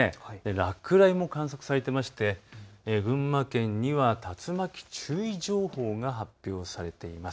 落雷も観測されていまして群馬県には竜巻注意情報が発表されています。